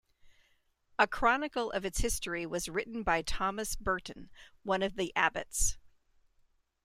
A chronicle of its history was written by Thomas Burton, one of the abbots.